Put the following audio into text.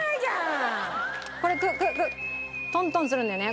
これトントンするんだよね？